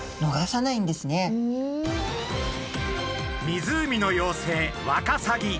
湖の妖精ワカサギ。